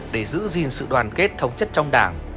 để giữ gìn sự đoàn kết thống nhất trong đảng